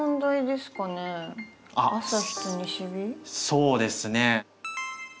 そうですね。